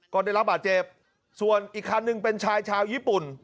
ก็ได้รับบาดเจ็บส่วนอีกคันหนึ่งเป็นชายชาวญี่ปุ่น